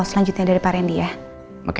selanjutnya dari pak rendy ya oke